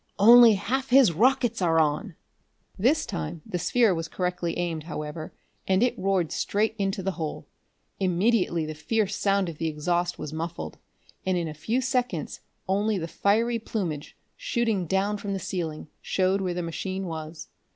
"Only half his rockets are on!" This time the sphere was correctly aimed, however, and it roared straight into the hole. Immediately the fierce sound of the exhaust was muffled, and in a few seconds only the fiery plumage, shooting down from the ceiling, showed where the machine was.